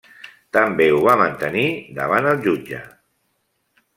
També ho va mantenir davant el jutge.